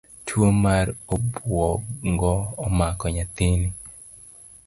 Tuo mar obuongo omako nyathini